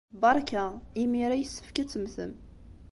Beṛka! Imir-a yessefk ad temmtem.